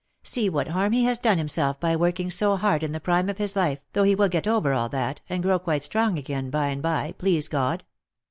See what harm he has done himself by working so hard in the prime of his life, though he will get over all that, and grow quite strong again by and by, please God.